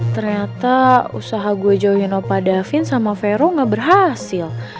ternyata usaha gue jauhin opa davin sama vero gak berhasil